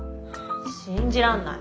信じらんない。